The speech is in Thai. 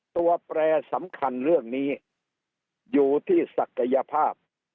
แปรสำคัญเรื่องนี้อยู่ที่ศักยภาพ